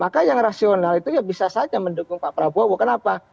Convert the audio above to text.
maka yang rasional itu ya bisa saja mendukung pak prabowo kenapa